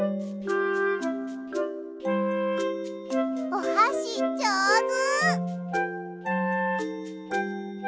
おはしじょうず！